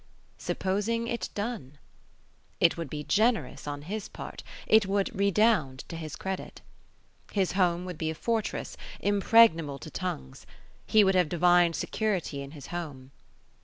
Supposing it done! It would be generous on his part. It would redound to his credit. His home would be a fortress, impregnable to tongues. He would have divine security in his home.